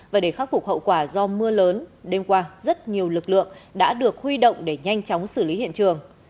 và để khắc phục hậu quả do mưa lớn đêm qua rất nhiều lực lượng đã được huy động để nhanh chóng xử lý hiện trường